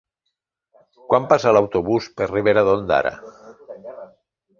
Quan passa l'autobús per Ribera d'Ondara?